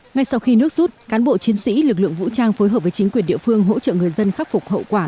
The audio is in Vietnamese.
ngay sau khi nước rút cán bộ chiến sĩ lực lượng vũ trang phối hợp với chính quyền địa phương hỗ trợ người dân khắc phục hậu quả